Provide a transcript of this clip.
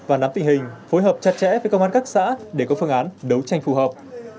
với công an các xã để có phương án đấu tranh phù hợp